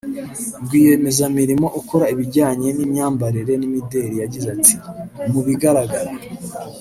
rwiyemezamirimo ukora ibijyanye n’imyambarire n’imideri yagize ati “Mu bigaragara